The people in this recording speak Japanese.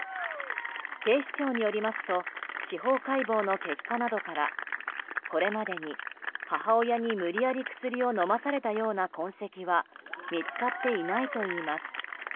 警視庁によりますと司法解剖の結果などからこれまでに、母親に無理やり薬を飲まされたような痕跡は見つかっていないといいます。